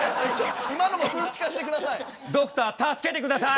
今のも数値化して下さい。